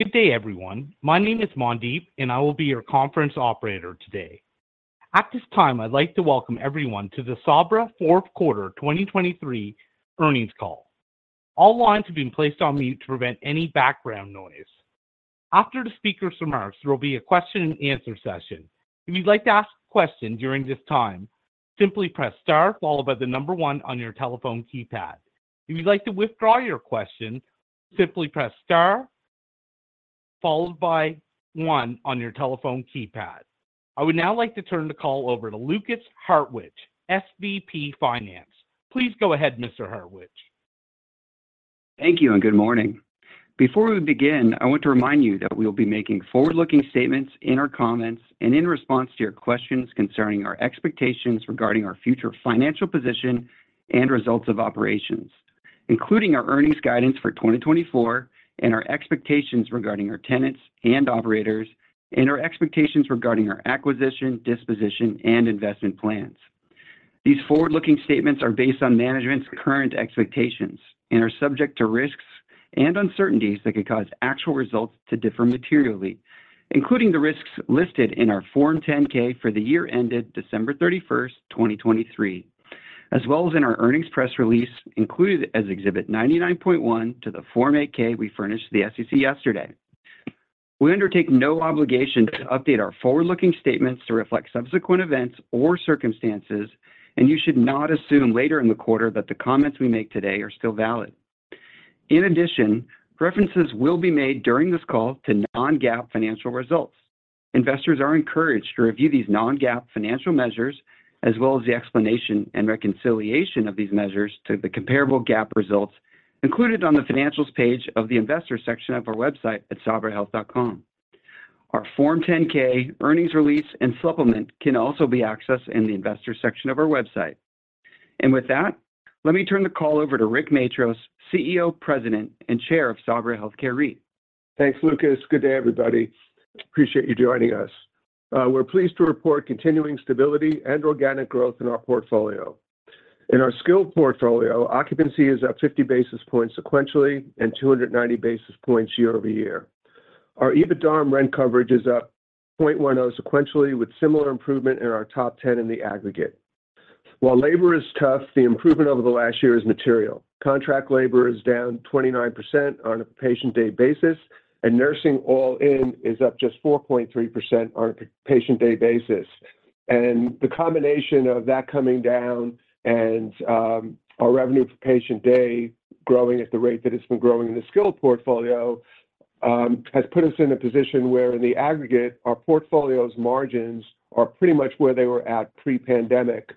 Good day everyone, my name is Mandeep and I will be your conference operator today. At this time I'd like to welcome everyone to the Sabra Fourth Quarter 2023 Earnings Call. All lines have been placed on mute to prevent any background noise. After the speaker's remarks there will be a question and answer session. If you'd like to ask a question during this time simply press star followed by the number oneon your telephone keypad. If you'd like to withdraw your question simply press star followed by one on your telephone keypad. I would now like to turn the call over to Lukas Hartwich, SVP Finance. Please go ahead Mr. Hartwich. Thank you and good morning. Before we begin I want to remind you that we will be making forward-looking statements in our comments and in response to your questions concerning our expectations regarding our future financial position and results of operations, including our earnings guidance for 2024 and our expectations regarding our tenants and operators and our expectations regarding our acquisition, disposition, and investment plans. These forward-looking statements are based on management's current expectations and are subject to risks and uncertainties that could cause actual results to differ materially, including the risks listed in our Form 10-K for the year ended December 31st, 2023, as well as in our earnings press release included as Exhibit 99.1 to the Form 8-K we furnished the SEC yesterday. We undertake no obligation to update our forward-looking statements to reflect subsequent events or circumstances, and you should not assume later in the quarter that the comments we make today are still valid. In addition, references will be made during this call to non-GAAP financial results. Investors are encouraged to review these non-GAAP financial measures as well as the explanation and reconciliation of these measures to the comparable GAAP results included on the financials page of the investor section of our website at sabrahealth.com. Our Form 10-K earnings release and supplement can also be accessed in the investor section of our website. With that, let me turn the call over to Rick Matros, CEO, President, and Chair of Sabra Health Care REIT. Thanks Lukas. Good day everybody. Appreciate you joining us. We're pleased to report continuing stability and organic growth in our portfolio. In our skilled portfolio, occupancy is up 50 basis points sequentially and 290 basis points year-over-year. Our EBITDA on rent coverage is up 0.10 sequentially with similar improvement in our top 10 in the aggregate. While labor is tough, the improvement over the last year is material. Contract labor is down 29% on a per-patient day basis, and nursing all-in is up just 4.3% on a per-patient day basis. And the combination of that coming down and our revenue per patient day growing at the rate that it's been growing in the skilled portfolio has put us in a position where in the aggregate our portfolio's margins are pretty much where they were at pre-pandemic.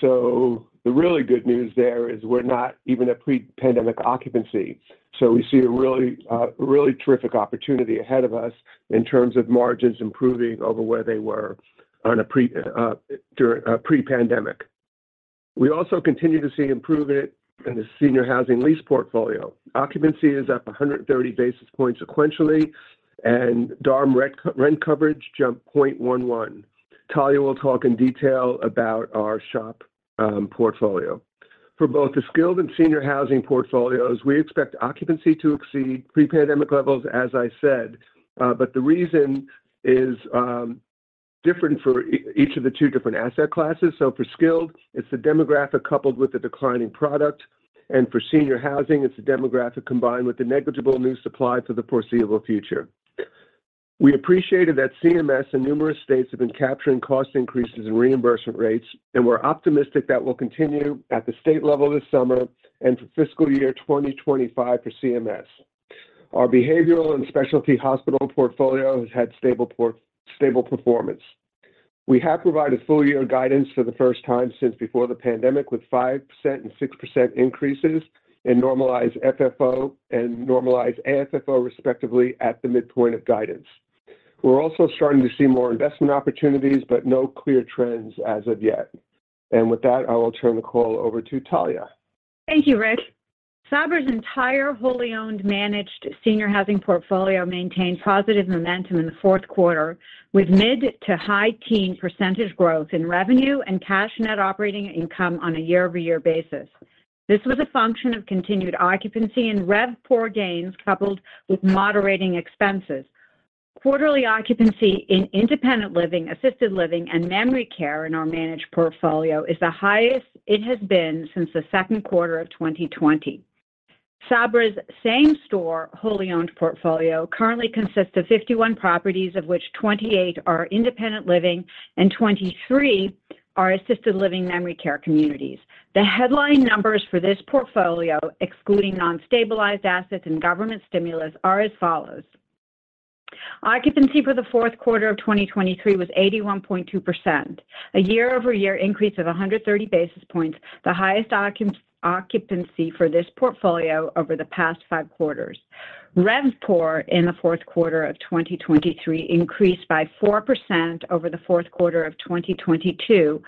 So the really good news there is we're not even at pre-pandemic occupancy. So we see a really, really terrific opportunity ahead of us in terms of margins improving over where they were during pre-pandemic. We also continue to see improvement in the senior housing lease portfolio. Occupancy is up 130 basis points sequentially, and DARM rent coverage jumped 0.11. Talya will talk in detail about our SHOP portfolio. For both the skilled and senior housing portfolios, we expect occupancy to exceed pre-pandemic levels, as I said, but the reason is different for each of the two different asset classes. So for skilled, it's the demographic coupled with the declining product, and for senior housing, it's the demographic combined with the negligible new supply for the foreseeable future. We appreciated that CMS and numerous states have been capturing cost increases and reimbursement rates, and we're optimistic that will continue at the state level this summer and for fiscal year 2025 for CMS. Our behavioral and specialty hospital portfolio has had stable performance. We have provided full-year guidance for the first time since before the pandemic with 5% and 6% increases in normalized FFO and normalized AFFO respectively at the midpoint of guidance. We're also starting to see more investment opportunities, but no clear trends as of yet. With that, I will turn the call over to Talya. Thank you, Rick. Sabra's entire wholly owned managed senior housing portfolio maintained positive momentum in the fourth quarter with mid- to high-teens % growth in revenue and cash net operating income on a year-over-year basis. This was a function of continued occupancy and RevPOR gains coupled with moderating expenses. Quarterly occupancy in independent living, assisted living, and memory care in our managed portfolio is the highest it has been since the second quarter of 2020. Sabra's same-store wholly owned portfolio currently consists of 51 properties of which 28 are independent living and 23 are assisted living memory care communities. The headline numbers for this portfolio, excluding non-stabilized assets and government stimulus, are as follows. Occupancy for the fourth quarter of 2023 was 81.2%, a year-over-year increase of 130 basis points, the highest occupancy for this portfolio over the past five quarters. RevPOR in the fourth quarter of 2023 increased by 4% over the fourth quarter of 2022.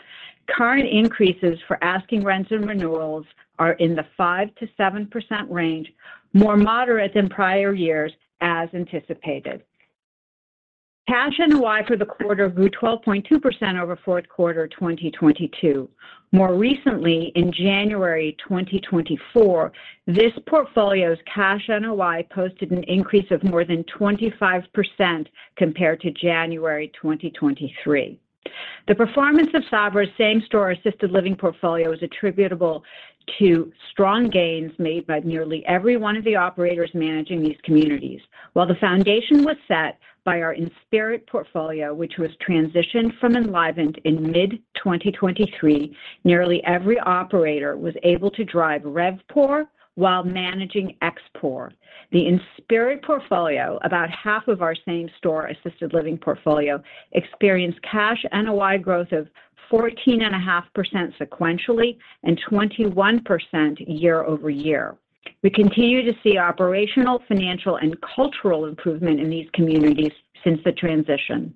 Current increases for asking rents and renewals are in the 5%-7% range, more moderate than prior years as anticipated. Cash NOI for the quarter grew 12.2% over fourth quarter 2022. More recently, in January 2024, this portfolio's Cash NOI posted an increase of more than 25% compared to January 2023. The performance of Sabra's same-store assisted living portfolio is attributable to strong gains made by nearly every one of the operators managing these communities. While the foundation was set by our Inspirit portfolio, which was transitioned from Enlivant in mid-2023, nearly every operator was able to drive RevPOR while managing ExPOR. The Inspirit portfolio, about half of our same-store assisted living portfolio, experienced cash and NOI growth of 14.5% sequentially and 21% year-over-year. We continue to see operational, financial, and cultural improvement in these communities since the transition.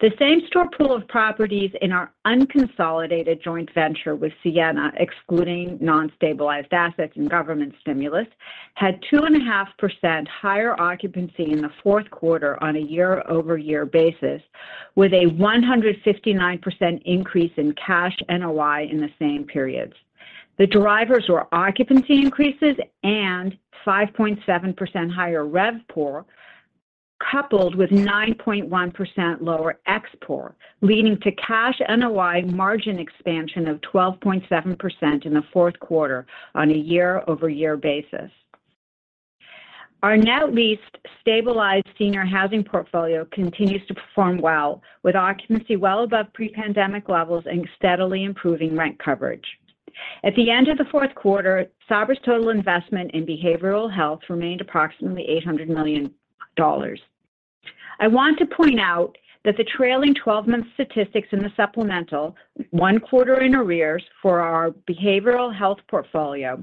The same-store pool of properties in our unconsolidated joint venture with Sienna, excluding non-stabilized assets and government stimulus, had 2.5% higher occupancy in the fourth quarter on a year-over-year basis, with a 159% increase in Cash NOI in the same periods. The drivers were occupancy increases and 5.7% higher RevPOR coupled with 9.1% lower ExPOR, leading to Cash NOI margin expansion of 12.7% in the fourth quarter on a year-over-year basis. Our now leased stabilized senior housing portfolio continues to perform well, with occupancy well above pre-pandemic levels and steadily improving rent coverage. At the end of the fourth quarter, Sabra's total investment in behavioral health remained approximately $800 million. I want to point out that the trailing 12-month statistics in the supplemental, one quarter in arrears for our behavioral health portfolio,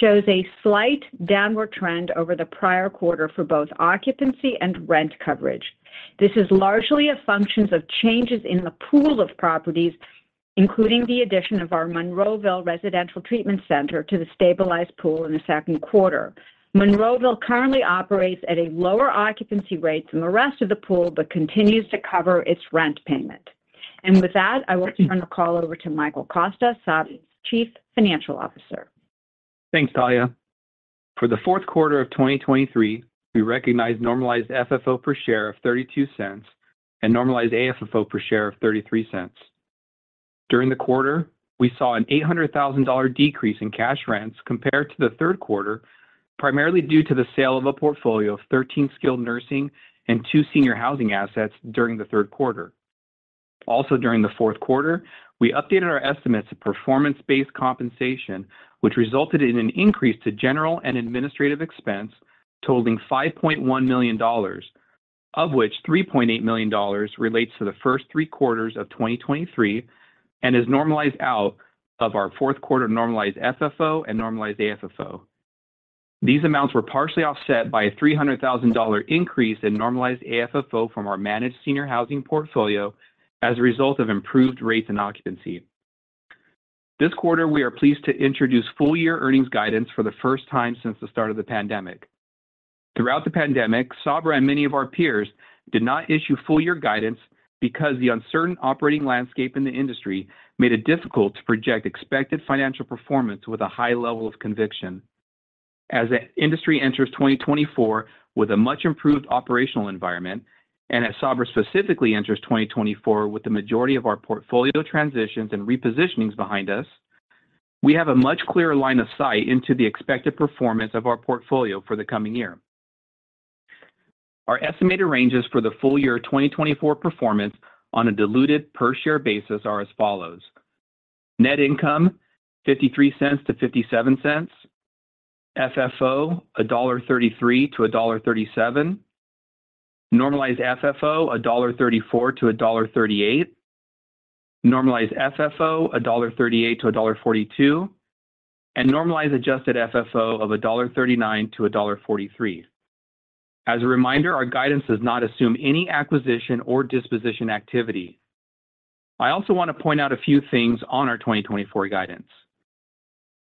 shows a slight downward trend over the prior quarter for both occupancy and rent coverage. This is largely a function of changes in the pool of properties, including the addition of our Monroeville Residential Treatment Center to the stabilized pool in the second quarter. Monroeville currently operates at a lower occupancy rate than the rest of the pool but continues to cover its rent payment. With that, I will turn the call over to Michael Costa, Sabra's Chief Financial Officer. Thanks, Talya. For the fourth quarter of 2023, we recognized normalized FFO per share of $0.32 and normalized AFFO per share of $0.33. During the quarter, we saw an $800,000 decrease in cash rents compared to the third quarter, primarily due to the sale of a portfolio of 13 skilled nursing and two senior housing assets during the third quarter. Also during the fourth quarter, we updated our estimates of performance-based compensation, which resulted in an increase to general and administrative expense totaling $5.1 million, of which $3.8 million relates to the first three quarters of 2023 and is normalized out of our fourth quarter normalized FFO and normalized AFFO. These amounts were partially offset by a $300,000 increase in normalized AFFO from our managed senior housing portfolio as a result of improved rates and occupancy. This quarter, we are pleased to introduce full-year earnings guidance for the first time since the start of the pandemic. Throughout the pandemic, Sabra and many of our peers did not issue full-year guidance because the uncertain operating landscape in the industry made it difficult to project expected financial performance with a high level of conviction. As the industry enters 2024 with a much improved operational environment and as Sabra specifically enters 2024 with the majority of our portfolio transitions and repositionings behind us, we have a much clearer line of sight into the expected performance of our portfolio for the coming year. Our estimated ranges for the full-year 2024 performance on a diluted per-share basis are as follows: net income $0.53-$0.57, FFO $1.33-$1.37, normalized FFO $1.34-$1.38, normalized FFO $1.38-$1.42, and normalized adjusted FFO of $1.39-$1.43. As a reminder, our guidance does not assume any acquisition or disposition activity. I also want to point out a few things on our 2024 guidance.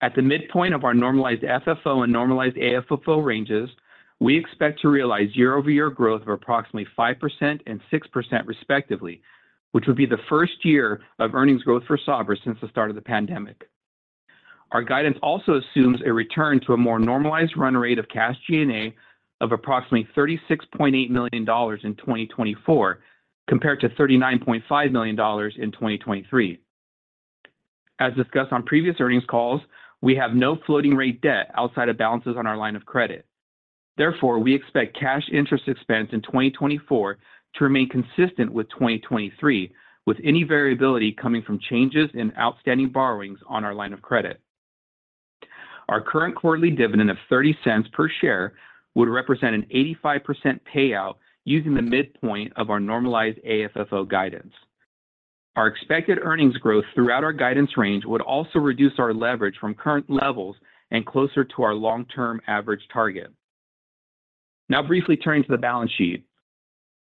At the midpoint of our normalized FFO and normalized AFFO ranges, we expect to realize year-over-year growth of approximately 5% and 6% respectively, which would be the first year of earnings growth for Sabra since the start of the pandemic. Our guidance also assumes a return to a more normalized run rate of cash G&A of approximately $36.8 million in 2024 compared to $39.5 million in 2023. As discussed on previous earnings calls, we have no floating rate debt outside of balances on our line of credit. Therefore, we expect cash interest expense in 2024 to remain consistent with 2023, with any variability coming from changes in outstanding borrowings on our line of credit. Our current quarterly dividend of $0.30 per share would represent an 85% payout using the midpoint of our normalized AFFO guidance. Our expected earnings growth throughout our guidance range would also reduce our leverage from current levels and closer to our long-term average target. Now, briefly turning to the balance sheet.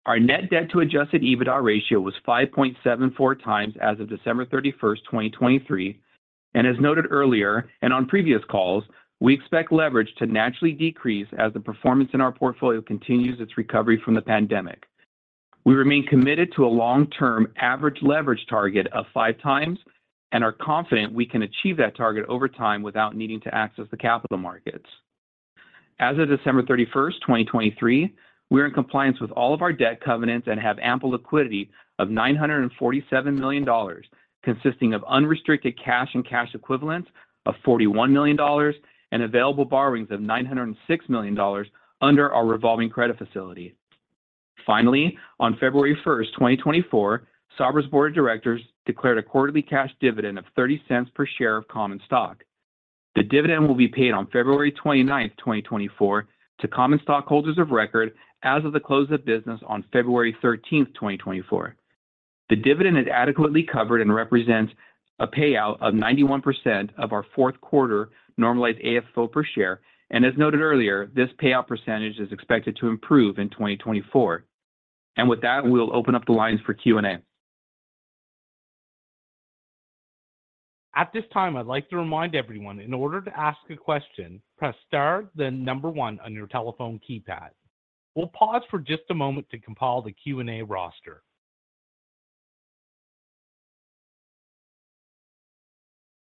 Our net debt to adjusted EBITDA ratio was 5.74x as of December 31st, 2023. As noted earlier and on previous calls, we expect leverage to naturally decrease as the performance in our portfolio continues its recovery from the pandemic. We remain committed to a long-term average leverage target of 5x and are confident we can achieve that target over time without needing to access the capital markets. As of December 31st, 2023, we are in compliance with all of our debt covenants and have ample liquidity of $947 million consisting of unrestricted cash and cash equivalents of $41 million and available borrowings of $906 million under our revolving credit facility. Finally, on February 1st, 2024, Sabra's board of directors declared a quarterly cash dividend of $0.30 per share of common stock. The dividend will be paid on February 29th, 2024, to common stockholders of record as of the close of business on February 13th, 2024. The dividend is adequately covered and represents a payout of 91% of our fourth quarter normalized AFFO per share. And as noted earlier, this payout percentage is expected to improve in 2024. And with that, we'll open up the lines for Q&A. At this time, I'd like to remind everyone, in order to ask a question, press star the number one on your telephone keypad. We'll pause for just a moment to compile the Q&A roster.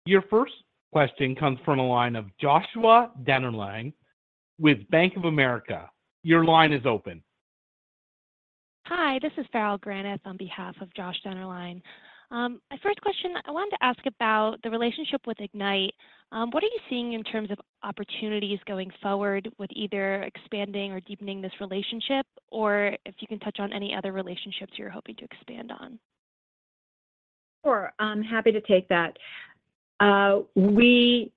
Your first question comes from a line of Joshua Dennerlein with Bank of America. Your line is open. Hi, this is Farrell Granath on behalf of Josh Dennerlein. First question, I wanted to ask about the relationship with Ignite. What are you seeing in terms of opportunities going forward with either expanding or deepening this relationship, or if you can touch on any other relationships you're hoping to expand on? Sure. I'm happy to take that. We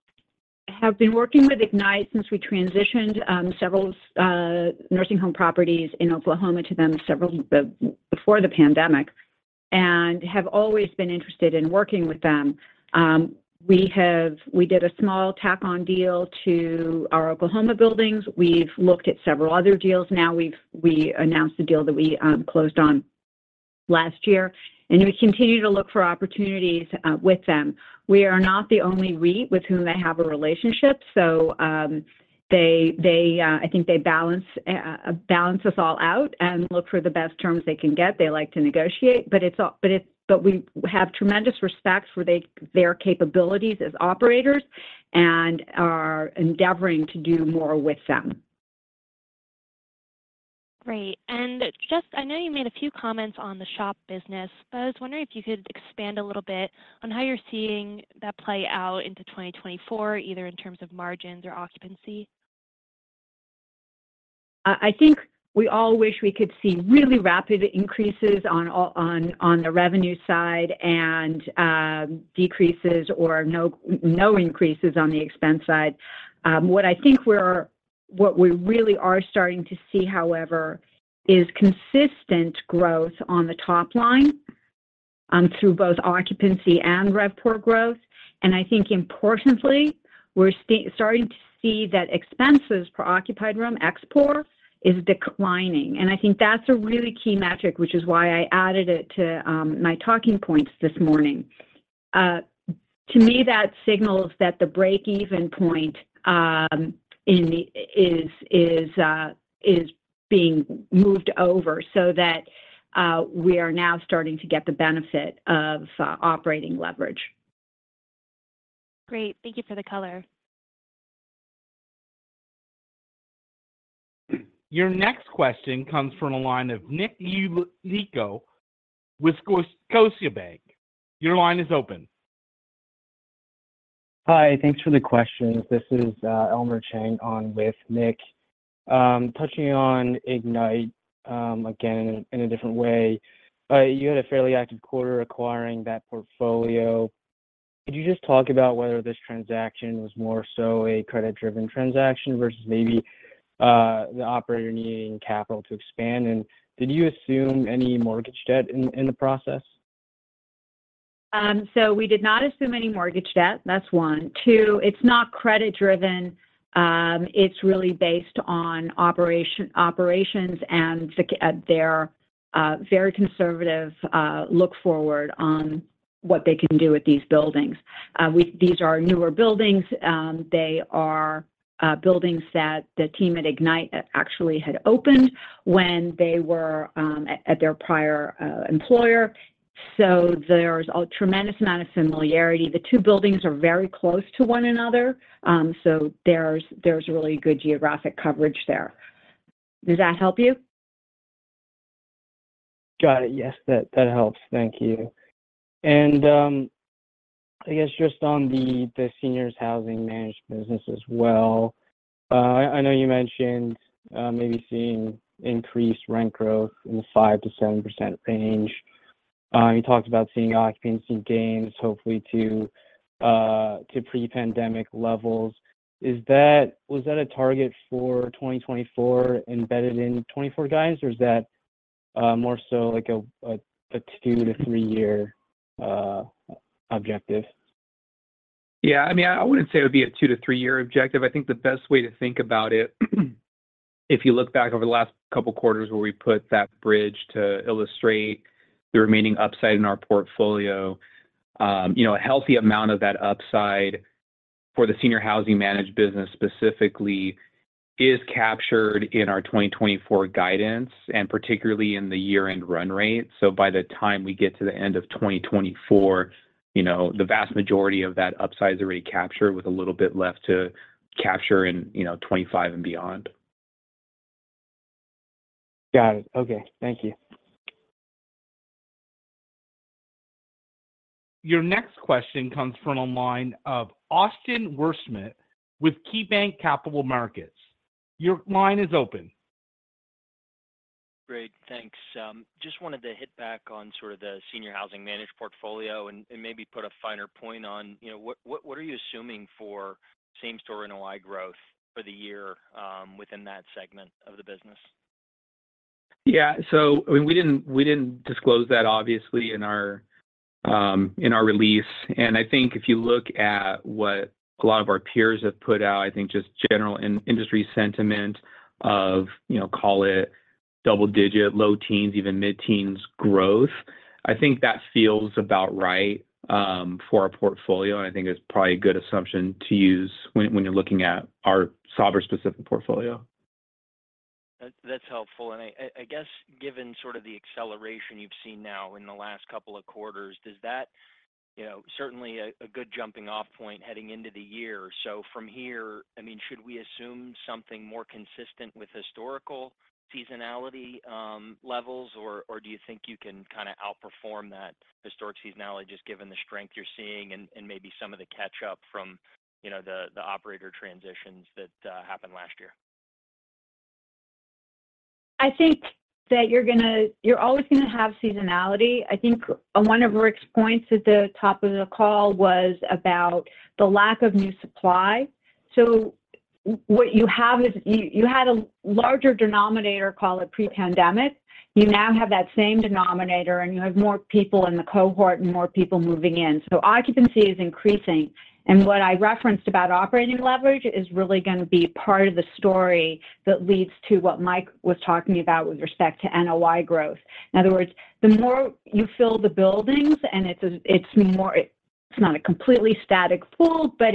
have been working with Ignite since we transitioned several nursing home properties in Oklahoma to them before the pandemic and have always been interested in working with them. We did a small tack-on deal to our Oklahoma buildings. We've looked at several other deals. Now, we announced the deal that we closed on last year. We continue to look for opportunities with them. We are not the only REIT with whom they have a relationship. I think they balance us all out and look for the best terms they can get. They like to negotiate. We have tremendous respect for their capabilities as operators and are endeavoring to do more with them. Great. I know you made a few comments on the SHOP business, but I was wondering if you could expand a little bit on how you're seeing that play out into 2024, either in terms of margins or occupancy? I think we all wish we could see really rapid increases on the revenue side and decreases or no increases on the expense side. What I think what we really are starting to see, however, is consistent growth on the top line through both occupancy and RevPOR growth. And I think, importantly, we're starting to see that expenses per occupied room, ExpPOR, is declining. And I think that's a really key metric, which is why I added it to my talking points this morning. To me, that signals that the break-even point is being moved over so that we are now starting to get the benefit of operating leverage. Great. Thank you for the color. Your next question comes from a line of Nick Yulico with Scotiabank. Your line is open. Hi. Thanks for the question. This is Elmer Chang on with Nick, touching on Ignite again in a different way. You had a fairly active quarter acquiring that portfolio. Could you just talk about whether this transaction was more so a credit-driven transaction versus maybe the operator needing capital to expand? And did you assume any mortgage debt in the process? So we did not assume any mortgage debt. That's one. Two, it's not credit-driven. It's really based on operations and their very conservative look forward on what they can do with these buildings. These are newer buildings. They are buildings that the team at Ignite actually had opened when they were at their prior employer. So there's a tremendous amount of familiarity. The two buildings are very close to one another. So there's really good geographic coverage there. Does that help you? Got it. Yes, that helps. Thank you. I guess just on the seniors' housing management business as well, I know you mentioned maybe seeing increased rent growth in the 5%-7% range. You talked about seeing occupancy gains, hopefully, to pre-pandemic levels. Was that a target for 2024 embedded in 2024 guidance, or is that more so like a two to three-year objective? Yeah. I mean, I wouldn't say it would be a two to three-year objective. I think the best way to think about it, if you look back over the last couple of quarters where we put that bridge to illustrate the remaining upside in our portfolio, a healthy amount of that upside for the senior housing managed business specifically is captured in our 2024 guidance and particularly in the year-end run rate. So by the time we get to the end of 2024, the vast majority of that upside is already captured with a little bit left to capture in 2025 and beyond. Got it. Okay. Thank you. Your next question comes from a line of Austin Wurschmidt with KeyBanc Capital Markets. Your line is open. Great. Thanks. Just wanted to hit back on sort of the senior housing managed portfolio and maybe put a finer point on what are you assuming for same-store NOI growth for the year within that segment of the business? Yeah. So I mean, we didn't disclose that, obviously, in our release. And I think if you look at what a lot of our peers have put out, I think just general industry sentiment of, call it, double-digit, low-teens, even mid-teens growth, I think that feels about right for our portfolio. And I think it's probably a good assumption to use when you're looking at our Sabra-specific portfolio. That's helpful. And I guess given sort of the acceleration you've seen now in the last couple of quarters, does that certainly a good jumping-off point heading into the year? So from here, I mean, should we assume something more consistent with historical seasonality levels, or do you think you can kind of outperform that historic seasonality just given the strength you're seeing and maybe some of the catch-up from the operator transitions that happened last year? I think that you're always going to have seasonality. I think one of Rick's points at the top of the call was about the lack of new supply. So what you have is you had a larger denominator, call it pre-pandemic. You now have that same denominator, and you have more people in the cohort and more people moving in. So occupancy is increasing. And what I referenced about operating leverage is really going to be part of the story that leads to what Mike was talking about with respect to NOI growth. In other words, the more you fill the buildings and it's not a completely static pool, but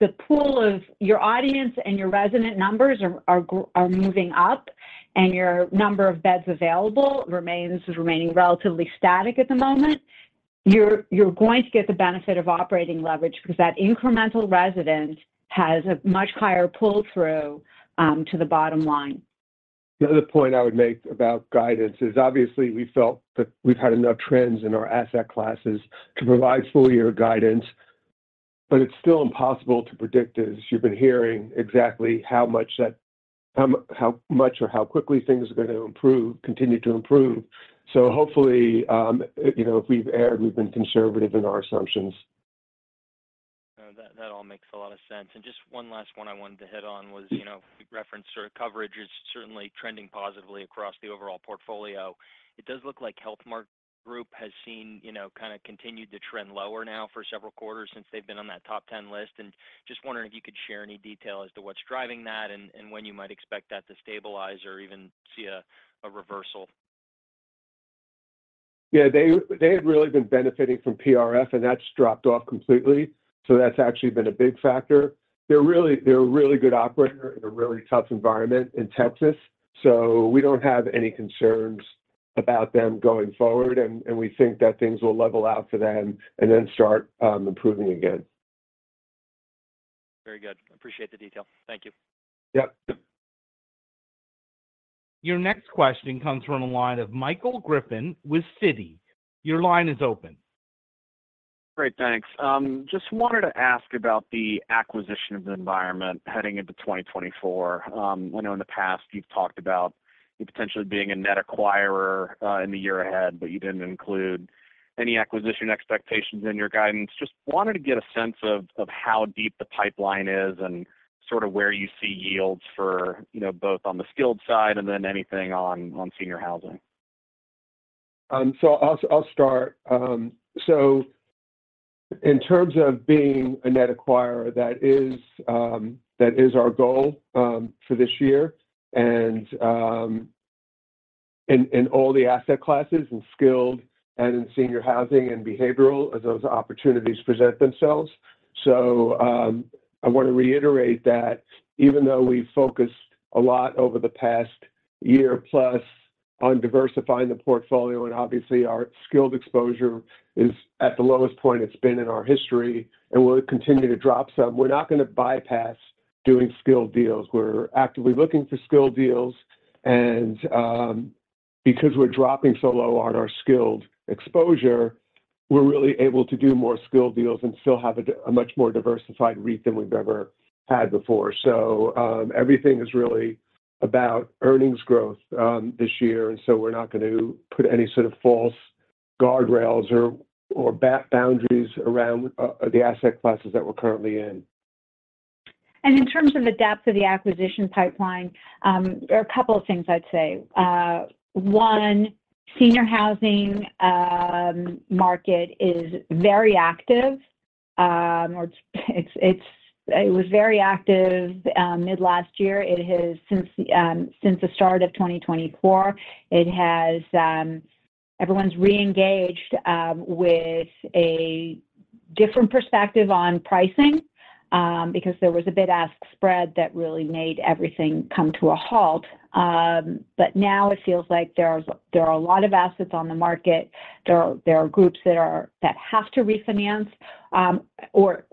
the pool of your audience and your resident numbers are moving up, and your number of beds available remains relatively static at the moment, you're going to get the benefit of operating leverage because that incremental resident has a much higher pull-through to the bottom line. The other point I would make about guidance is, obviously, we've felt that we've had enough trends in our asset classes to provide full-year guidance. It's still impossible to predict as you've been hearing exactly how much or how quickly things are going to improve, continue to improve. Hopefully, if we've erred, we've been conservative in our assumptions. That all makes a lot of sense. Just one last one I wanted to hit on was you referenced sort of coverage is certainly trending positively across the overall portfolio. It does look like HealthMark Group has seen kind of continued to trend lower now for several quarters since they've been on that top 10 list. Just wondering if you could share any detail as to what's driving that and when you might expect that to stabilize or even see a reversal. Yeah. They had really been benefiting from PRF, and that's dropped off completely. So that's actually been a big factor. They're a really good operator in a really tough environment in Texas. So we don't have any concerns about them going forward. And we think that things will level out for them and then start improving again. Very good. Appreciate the detail. Thank you. Yep. Your next question comes from a line of Michael Griffin with Citi. Your line is open. Great. Thanks. Just wanted to ask about the acquisition environment heading into 2024. I know in the past, you've talked about you potentially being a net acquirer in the year ahead, but you didn't include any acquisition expectations in your guidance. Just wanted to get a sense of how deep the pipeline is and sort of where you see yields for both on the skilled side and then anything on senior housing. So I'll start. So in terms of being a net acquirer, that is our goal for this year in all the asset classes and skilled and in senior housing and behavioral as those opportunities present themselves. So I want to reiterate that even though we've focused a lot over the past year-plus on diversifying the portfolio, and obviously, our skilled exposure is at the lowest point it's been in our history, and we'll continue to drop some, we're not going to bypass doing skilled deals. We're actively looking for skilled deals. And because we're dropping so low on our skilled exposure, we're really able to do more skilled deals and still have a much more diversified REIT than we've ever had before. So everything is really about earnings growth this year. And so we're not going to put any sort of false guardrails or boundaries around the asset classes that we're currently in. In terms of the depth of the acquisition pipeline, there are a couple of things, I'd say. One, senior housing market is very active, or it was very active mid-last year. Since the start of 2024, everyone's reengaged with a different perspective on pricing because there was a bid-ask spread that really made everything come to a halt. But now, it feels like there are a lot of assets on the market. There are groups that have to refinance or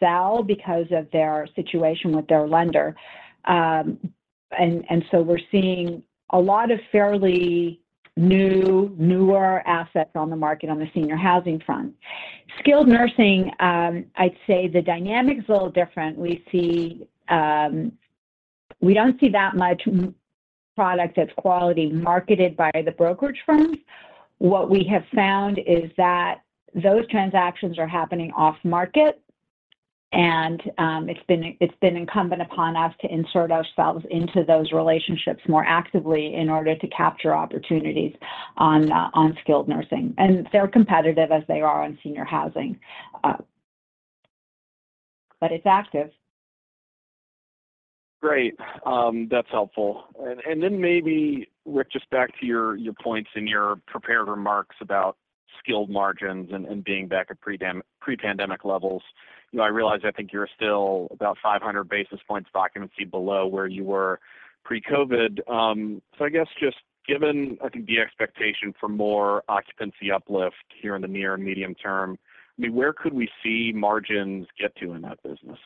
sell because of their situation with their lender. And so we're seeing a lot of fairly newer assets on the market on the senior housing front. Skilled nursing, I'd say the dynamic is a little different. We don't see that much product that's quality marketed by the brokerage firms. What we have found is that those transactions are happening off-market. And it's been incumbent upon us to insert ourselves into those relationships more actively in order to capture opportunities on skilled nursing. And they're competitive as they are on senior housing. But it's active. Great. That's helpful. Then maybe, Rick, just back to your points and your prepared remarks about skilled margins and being back at pre-pandemic levels. I realize I think you're still about 500 basis points of occupancy below where you were pre-COVID. I guess just given, I think, the expectation for more occupancy uplift here in the near and medium term, I mean, where could we see margins get to in that business?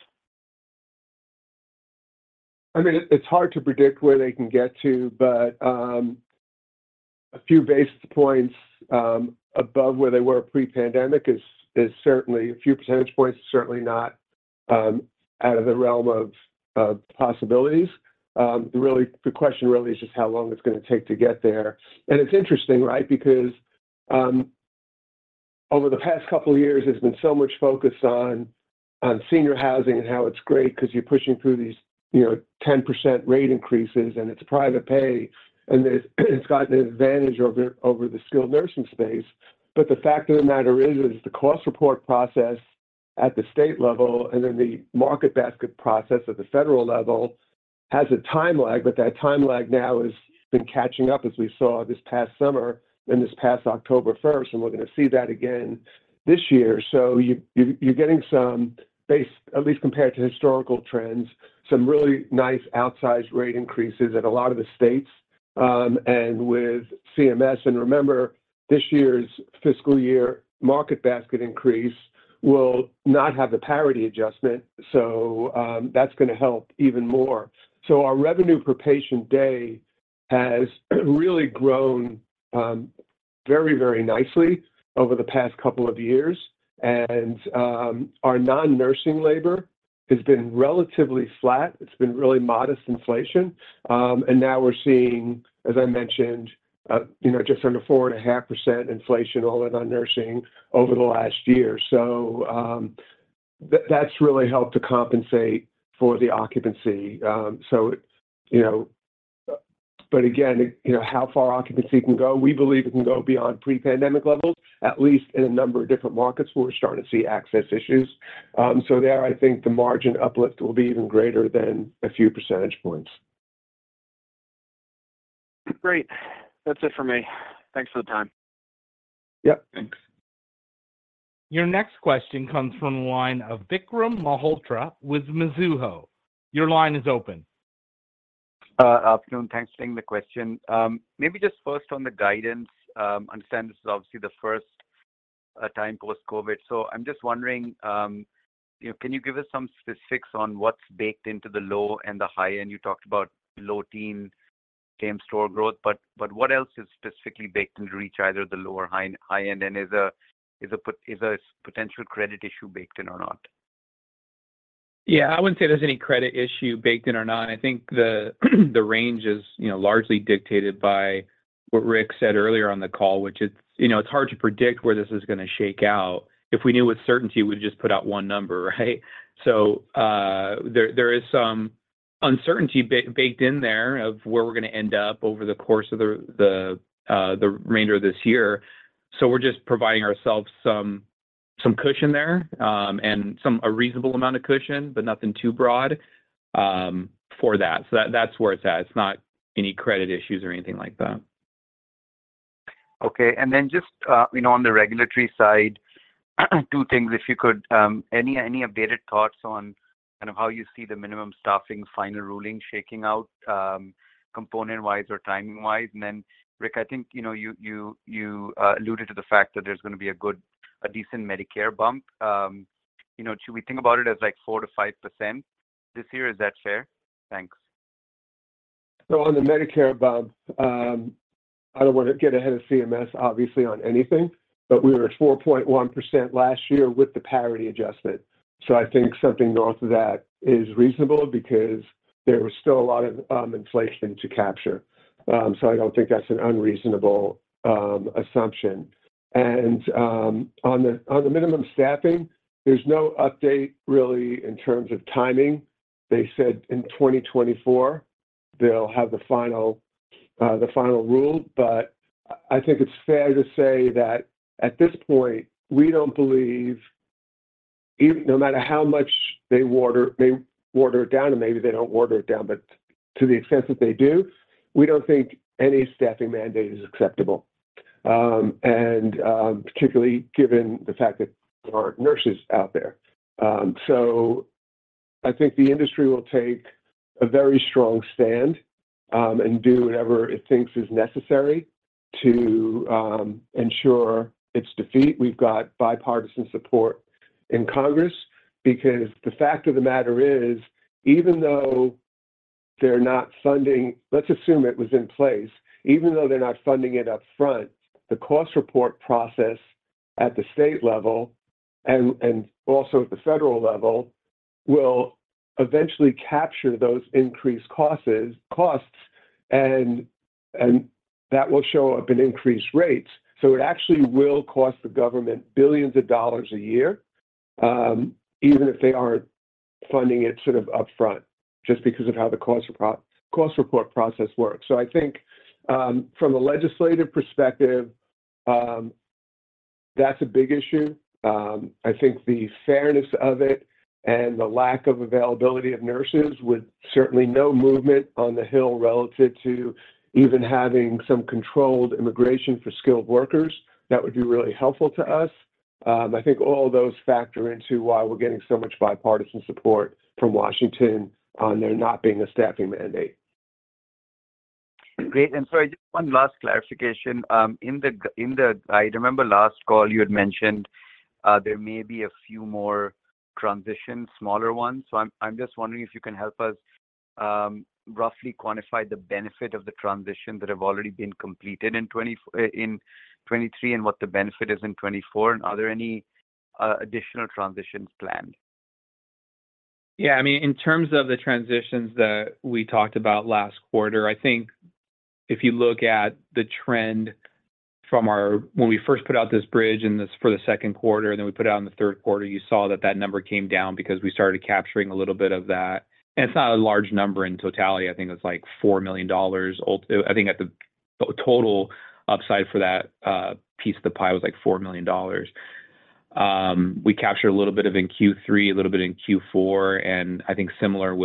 I mean, it's hard to predict where they can get to, but a few basis points above where they were pre-pandemic is certainly a few percentage points is certainly not out of the realm of possibilities. The question really is just how long it's going to take to get there. And it's interesting, right, because over the past couple of years, there's been so much focus on senior housing and how it's great because you're pushing through these 10% rate increases, and it's private pay, and it's gotten an advantage over the skilled nursing space. But the fact of the matter is, is the cost report process at the state level and then the Market Basket process at the federal level has a time lag. But that time lag now has been catching up, as we saw this past summer and this past October 1st. We're going to see that again this year. You're getting some, at least compared to historical trends, some really nice outsized rate increases at a lot of the states and with CMS. Remember, this year's fiscal year Market Basket increase will not have the parity adjustment. That's going to help even more. Our revenue per patient day has really grown very, very nicely over the past couple of years. Our non-nursing labor has been relatively flat. It's been really modest inflation. Now we're seeing, as I mentioned, just under 4.5% inflation all in non-nursing over the last year. That's really helped to compensate for the occupancy. Again, how far occupancy can go, we believe it can go beyond pre-pandemic levels, at least in a number of different markets where we're starting to see access issues. There, I think the margin uplift will be even greater than a few percentage points. Great. That's it for me. Thanks for the time. Yep. Thanks. Your next question comes from a line of Vikram Malhotra with Mizuho. Your line is open. Afternoon. Thanks for taking the question. Maybe just first on the guidance. I understand this is obviously the first time post-COVID. So I'm just wondering, can you give us some specifics on what's baked into the low and the high end? You talked about low-teen Same-Store growth, but what else is specifically baked into each either of the low or high end? And is a potential credit issue baked in or not? Yeah. I wouldn't say there's any credit issue baked in or not. I think the range is largely dictated by what Rick said earlier on the call, which, it's hard to predict where this is going to shake out. If we knew with certainty, we'd just put out one number, right? So there is some uncertainty baked in there of where we're going to end up over the course of the remainder of this year. So we're just providing ourselves some cushion there and a reasonable amount of cushion, but nothing too broad for that. So that's where it's at. It's not any credit issues or anything like that. Okay. And then just on the regulatory side, two things, if you could, any updated thoughts on kind of how you see the minimum staffing final ruling shaking out component-wise or timing-wise? And then, Rick, I think you alluded to the fact that there's going to be a decent Medicare bump. Should we think about it as 4%-5% this year? Is that fair? Thanks. So on the Medicare bump, I don't want to get ahead of CMS, obviously, on anything, but we were at 4.1% last year with the parity adjustment. So I think something north of that is reasonable because there was still a lot of inflation to capture. So I don't think that's an unreasonable assumption. On the minimum staffing, there's no update really in terms of timing. They said in 2024, they'll have the final rule. But I think it's fair to say that at this point, we don't believe no matter how much they water it down, and maybe they don't water it down, but to the extent that they do, we don't think any staffing mandate is acceptable, particularly given the fact that there aren't nurses out there. So I think the industry will take a very strong stand and do whatever it thinks is necessary to ensure its defeat. We've got bipartisan support in Congress because the fact of the matter is, even though they're not funding let's assume it was in place. Even though they're not funding it upfront, the cost report process at the state level and also at the federal level will eventually capture those increased costs, and that will show up in increased rates. So it actually will cost the government $ billions a year, even if they aren't funding it sort of upfront just because of how the cost report process works. So I think from a legislative perspective, that's a big issue. I think the fairness of it and the lack of availability of nurses would certainly no movement on the hill relative to even having some controlled immigration for skilled workers. That would be really helpful to us. I think all those factor into why we're getting so much bipartisan support from Washington on there not being a staffing mandate. Great. Sorry, one last clarification. I remember last call, you had mentioned there may be a few more transitions, smaller ones. I'm just wondering if you can help us roughly quantify the benefit of the transition that have already been completed in 2023 and what the benefit is in 2024. Are there any additional transitions planned? Yeah. I mean, in terms of the transitions that we talked about last quarter, I think if you look at the trend from when we first put out this bridge for the second quarter, and then we put out in the third quarter, you saw that that number came down because we started capturing a little bit of that. It's not a large number in totality. I think it was like $4 million. I think the total upside for that piece of the pie was like $4 million. We captured a little bit of in Q3, a little bit in Q4. I think similar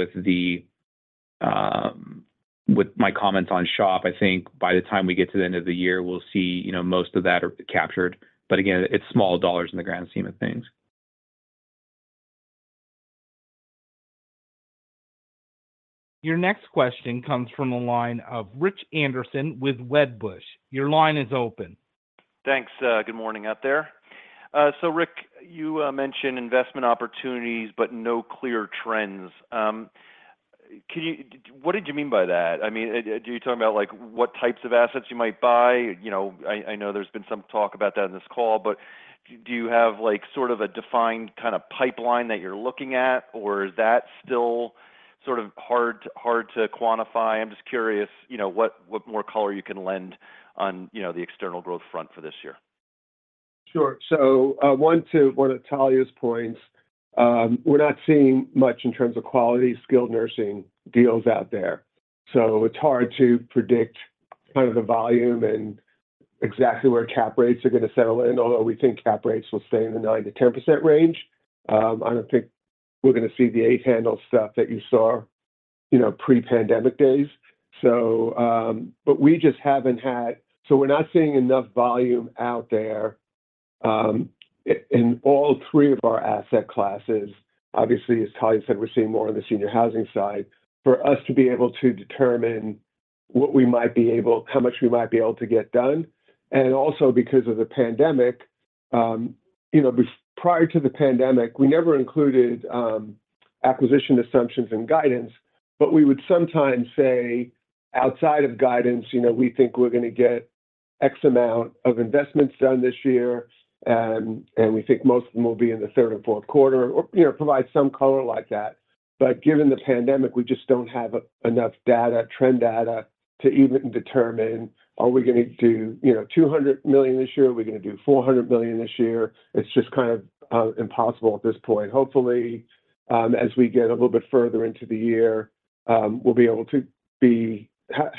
with my comments on SHOP, I think by the time we get to the end of the year, we'll see most of that captured. But again, it's small dollars in the grand scheme of things. Your next question comes from a line of Rich Anderson with Wedbush. Your line is open. Thanks. Good morning out there. So Rick, you mentioned investment opportunities, but no clear trends. What did you mean by that? I mean, are you talking about what types of assets you might buy? I know there's been some talk about that in this call, but do you have sort of a defined kind of pipeline that you're looking at, or is that still sort of hard to quantify? I'm just curious what more color you can lend on the external growth front for this year. Sure. So one to one of Talya's points, we're not seeing much in terms of quality skilled nursing deals out there. So it's hard to predict kind of the volume and exactly where cap rates are going to settle in, although we think cap rates will stay in the 9%-10% range. I don't think we're going to see the 8-handle stuff that you saw pre-pandemic days. But we just haven't had so we're not seeing enough volume out there in all three of our asset classes. Obviously, as Talya said, we're seeing more on the senior housing side for us to be able to determine what we might be able how much we might be able to get done. Also because of the pandemic, prior to the pandemic, we never included acquisition assumptions in guidance, but we would sometimes say, "Outside of guidance, we think we're going to get X amount of investments done this year, and we think most of them will be in the third and fourth quarter," or provide some color like that. But given the pandemic, we just don't have enough data, trend data, to even determine, "Are we going to do $200 million this year? Are we going to do $400 million this year?" It's just kind of impossible at this point. Hopefully, as we get a little bit further into the year, we'll be able to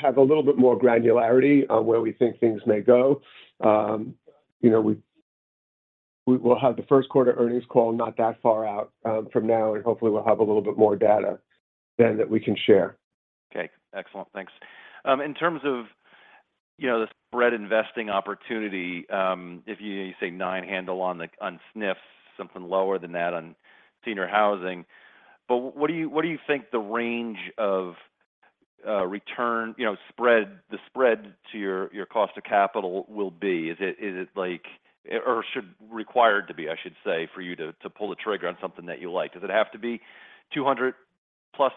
have a little bit more granularity on where we think things may go. We'll have the first quarter earnings call not that far out from now, and hopefully, we'll have a little bit more data then that we can share. Okay. Excellent. Thanks. In terms of the spread investing opportunity, if you say 9-handle on SNFs, something lower than that on senior housing, but what do you think the range of return spread, the spread to your cost of capital will be? Is it like or should require to be, I should say, for you to pull the trigger on something that you like? Does it have to be 200+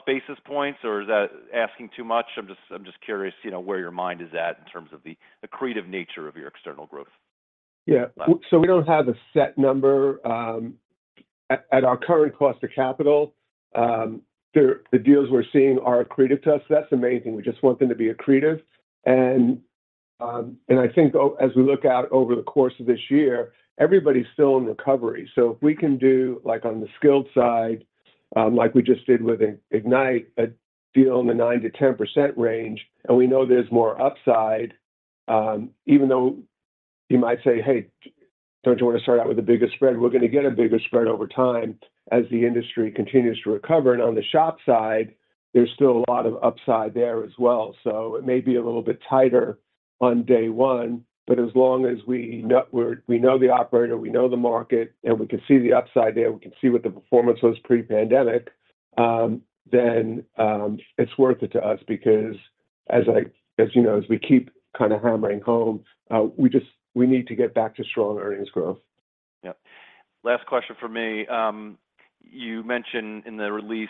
basis points, or is that asking too much? I'm just curious where your mind is at in terms of the accretive nature of your external growth. Yeah. So we don't have a set number. At our current cost of capital, the deals we're seeing are accretive to us. That's the main thing. We just want them to be accretive. And I think as we look out over the course of this year, everybody's still in recovery. So if we can do on the skilled side, like we just did with Ignite, a deal in the 9%-10% range, and we know there's more upside, even though you might say, "Hey, don't you want to start out with the biggest spread?" We're going to get a bigger spread over time as the industry continues to recover. And on the SHOP side, there's still a lot of upside there as well. So it may be a little bit tighter on day one, but as long as we know the operator, we know the market, and we can see the upside there, we can see what the performance was pre-pandemic, then it's worth it to us because, as you know, as we keep kind of hammering home, we need to get back to strong earnings growth. Yep. Last question for me. You mentioned in the release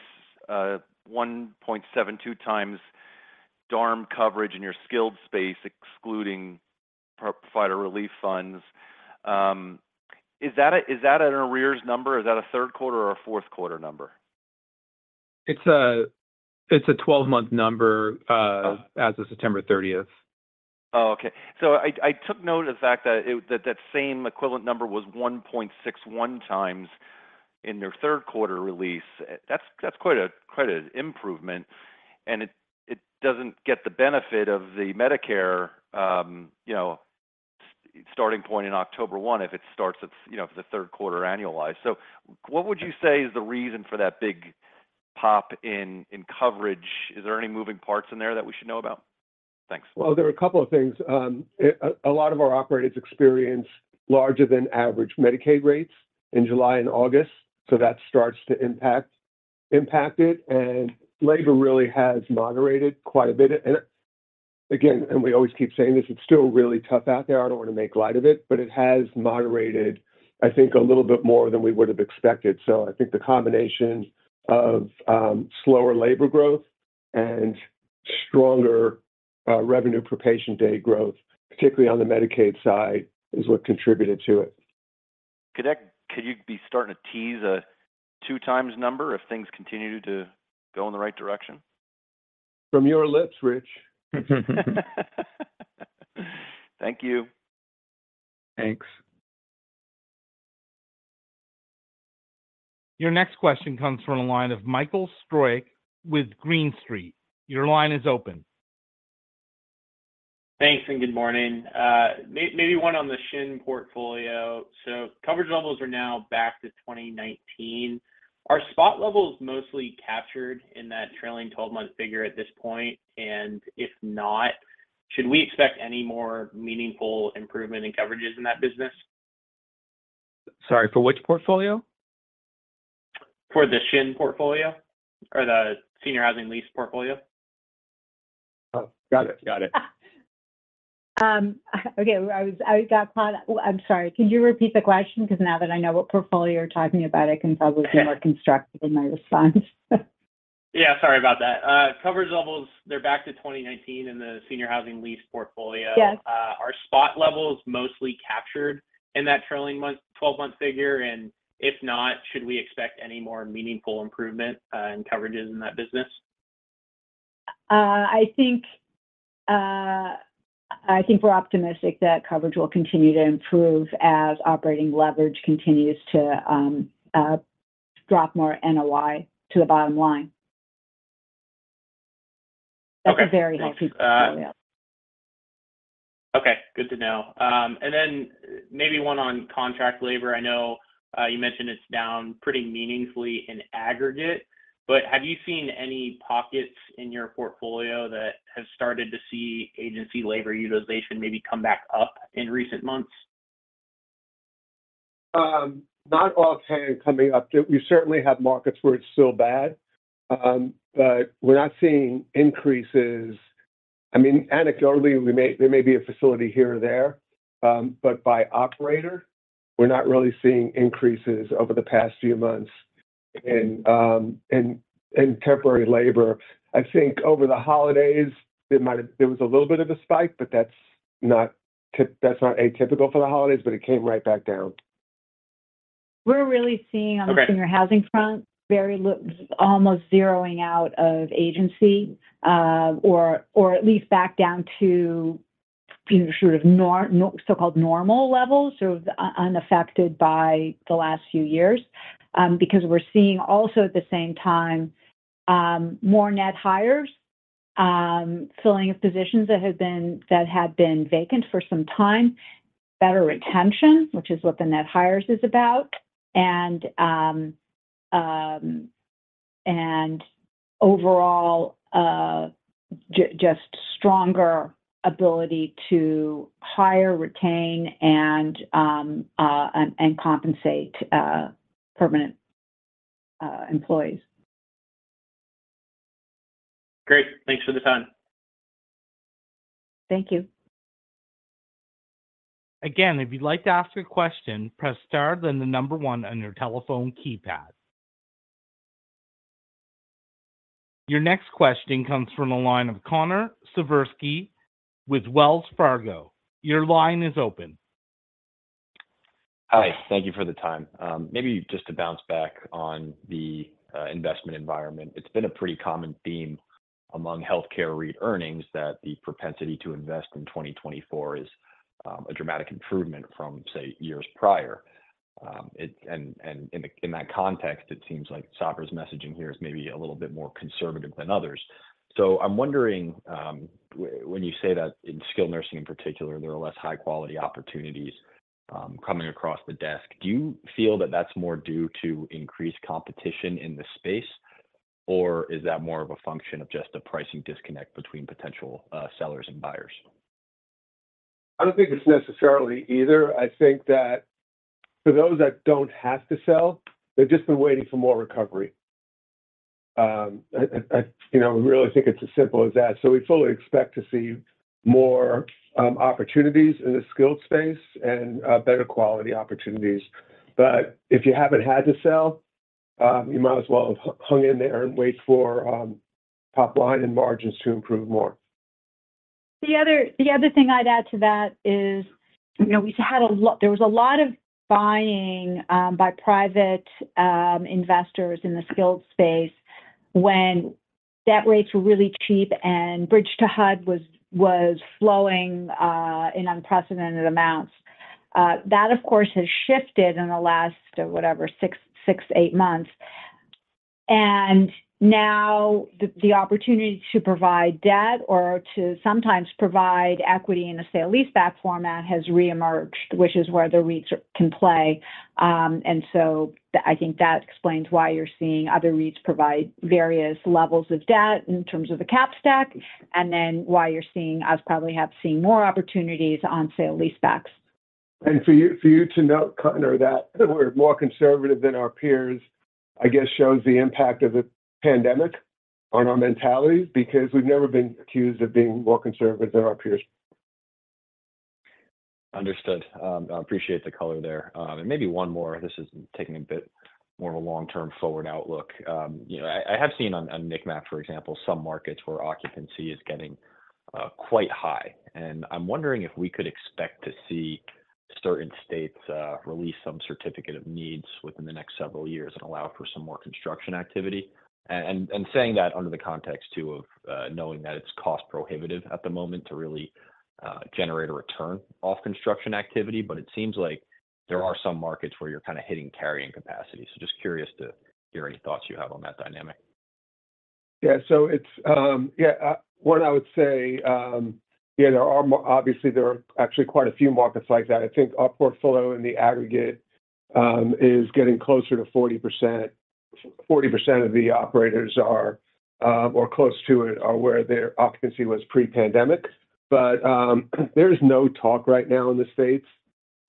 1.72x DARM coverage in your skilled space, excluding provider relief funds. Is that an arrears number? Is that a third quarter or a fourth quarter number? It's a 12-month number as of September 30th. Oh, okay. So I took note of the fact that that same equivalent number was 1.61x in their third quarter release. That's quite an improvement. It doesn't get the benefit of the Medicare starting point in October 1 if it starts at the third quarter annualized. So what would you say is the reason for that big pop in coverage? Is there any moving parts in there that we should know about? Thanks. Well, there are a couple of things. A lot of our operators experience larger-than-average Medicaid rates in July and August. So that starts to impact it. And labor really has moderated quite a bit. And again, and we always keep saying this, it's still really tough out there. I don't want to make light of it, but it has moderated, I think, a little bit more than we would have expected. So I think the combination of slower labor growth and stronger revenue per patient day growth, particularly on the Medicaid side, is what contributed to it. Could you be starting to tease a 2x number if things continue to go in the right direction? From your lips, Rich. Thank you. Thanks. Your next question comes from a line of Michael Stroyeck with Green Street. Your line is open. Thanks and good morning. Maybe one on the SHOP portfolio. So coverage levels are now back to 2019. Are spot levels mostly captured in that trailing 12-month figure at this point? And if not, should we expect any more meaningful improvement in coverages in that business? Sorry, for which portfolio? For the SHOP portfolio or the senior housing lease portfolio. Oh, got it. Got it. Okay. I got caught. I'm sorry. Could you repeat the question? Because now that I know what portfolio you're talking about, I can probably be more constructive in my response. Yeah. Sorry about that. Coverage levels, they're back to 2019 in the senior housing lease portfolio. Are spot levels mostly captured in that trailing 12-month figure? And if not, should we expect any more meaningful improvement in coverages in that business? I think we're optimistic that coverage will continue to improve as operating leverage continues to drop more NOI to the bottom line. That's a very healthy portfolio. Okay. Good to know. And then maybe one on contract labor. I know you mentioned it's down pretty meaningfully in aggregate, but have you seen any pockets in your portfolio that have started to see agency labor utilization maybe come back up in recent months? Not offhand, coming up. We certainly have markets where it's still bad, but we're not seeing increases. I mean, anecdotally, there may be a facility here or there, but by operator, we're not really seeing increases over the past few months in temporary labor. I think over the holidays, there was a little bit of a spike, but that's not atypical for the holidays, but it came right back down. We're really seeing on the senior housing front almost zeroing out of agency or at least back down to sort of so-called normal levels, sort of unaffected by the last few years because we're seeing also at the same time more net hires filling positions that had been vacant for some time, better retention, which is what the net hires is about, and overall just stronger ability to hire, retain, and compensate permanent employees. Great. Thanks for the time. Thank you. Again, if you'd like to ask a question, press star and then the number one on your telephone keypad. Your next question comes from a line of Connor Siversky with Wells Fargo. Your line is open. Hi. Thank you for the time. Maybe just to bounce back on the investment environment, it's been a pretty common theme among healthcare REIT earnings that the propensity to invest in 2024 is a dramatic improvement from, say, years prior. And in that context, it seems like Sabra's messaging here is maybe a little bit more conservative than others. So I'm wondering, when you say that in skilled nursing in particular, there are less high-quality opportunities coming across the desk, do you feel that that's more due to increased competition in the space, or is that more of a function of just a pricing disconnect between potential sellers and buyers? I don't think it's necessarily either. I think that for those that don't have to sell, they've just been waiting for more recovery. We really think it's as simple as that. So we fully expect to see more opportunities in the skilled space and better quality opportunities. But if you haven't had to sell, you might as well have hung in there and wait for top line and margins to improve more. The other thing I'd add to that is we had a lot of buying by private investors in the skilled space when debt rates were really cheap and bridge to HUD was flowing in unprecedented amounts. That, of course, has shifted in the last, whatever, six to eight months. And now the opportunity to provide debt or to sometimes provide equity in a sale lease back format has reemerged, which is where the REITs can play. And so I think that explains why you're seeing other REITs provide various levels of debt in terms of the cap stack and then why you're seeing us probably have seen more opportunities on sale lease backs. For you to note, Connor, that we're more conservative than our peers, I guess, shows the impact of the pandemic on our mentalities because we've never been accused of being more conservative than our peers. Understood. I appreciate the color there. And maybe one more. This is taking a bit more of a long-term forward outlook. I have seen on NIC MAP, for example, some markets where occupancy is getting quite high. And I'm wondering if we could expect to see certain states release some certificates of need within the next several years and allow for some more construction activity. And saying that under the context, too, of knowing that it's cost prohibitive at the moment to really generate a return off construction activity, but it seems like there are some markets where you're kind of hitting carrying capacity. So just curious to hear any thoughts you have on that dynamic. Yeah. So yeah, one, I would say, yeah, obviously, there are actually quite a few markets like that. I think our portfolio in the aggregate is getting closer to 40%. 40% of the operators are or close to it are where their occupancy was pre-pandemic. But there is no talk right now in the states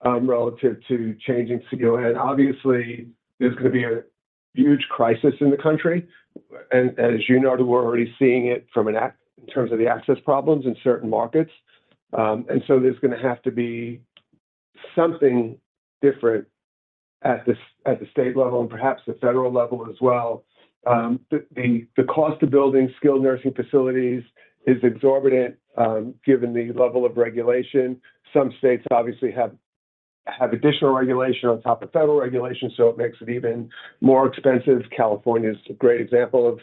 relative to changing CON. Obviously, there's going to be a huge crisis in the country. And as you know, we're already seeing it in terms of the access problems in certain markets. And so there's going to have to be something different at the state level and perhaps the federal level as well. The cost of building skilled nursing facilities is exorbitant given the level of regulation. Some states, obviously, have additional regulation on top of federal regulation, so it makes it even more expensive. California's a great example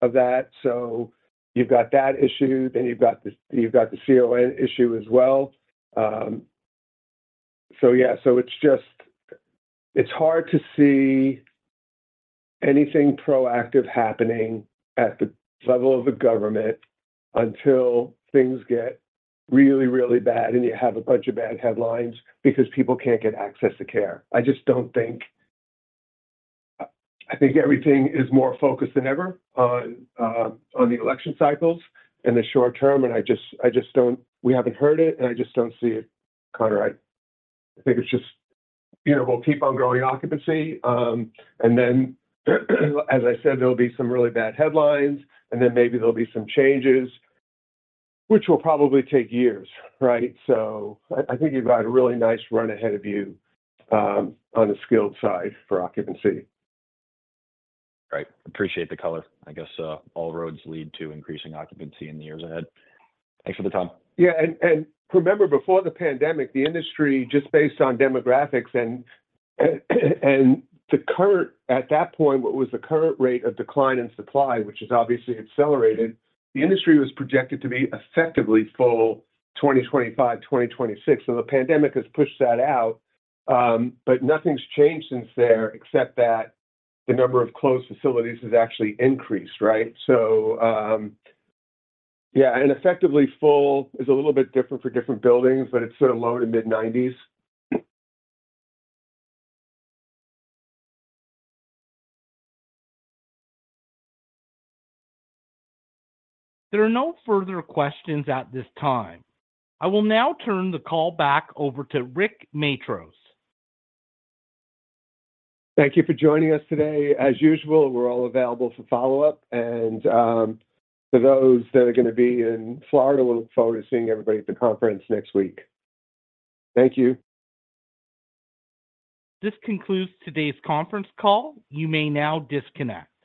of that. So you've got that issue. Then you've got the CON issue as well. So yeah. So it's hard to see anything proactive happening at the level of the government until things get really, really bad, and you have a bunch of bad headlines because people can't get access to care. I just don't think everything is more focused than ever on the election cycles and the short term, and I just don't. We haven't heard it, and I just don't see it. Connor, I think it's just we'll keep on growing occupancy. And then, as I said, there'll be some really bad headlines, and then maybe there'll be some changes, which will probably take years, right? So I think you've got a really nice run ahead of you on the skilled side for occupancy. Right. Appreciate the color. I guess all roads lead to increasing occupancy in the years ahead. Thanks for the time. Yeah. And remember, before the pandemic, the industry, just based on demographics and at that point, what was the current rate of decline in supply, which has obviously accelerated, the industry was projected to be effectively full 2025, 2026. So the pandemic has pushed that out, but nothing's changed since then except that the number of closed facilities has actually increased, right? So yeah. And effectively full is a little bit different for different buildings, but it's sort of low to mid-90s. There are no further questions at this time. I will now turn the call back over to Rick Matros. Thank you for joining us today. As usual, we're all available for follow-up. For those that are going to be in Florida, we'll be focusing everybody at the conference next week. Thank you. This concludes today's conference call. You may now disconnect.